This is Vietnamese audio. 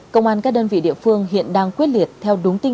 công an các đơn vị địa phương hiện đang quyết liệt theo đúng tinh